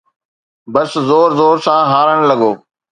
بس زور زور سان هارڻ لڳو